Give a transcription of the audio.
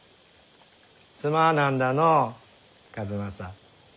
すまなんだのう数正。